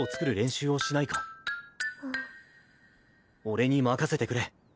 俺に任せてくれ。